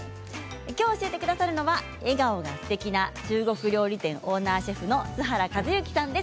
きょう教えてくださるのは笑顔がすてきな中国料理店オーナーシェフの栖原一之さんです。